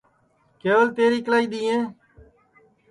کیول تیری اِکلائی دؔیں